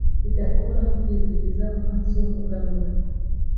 bitakuraho kwizihiza umunsi w’umuganura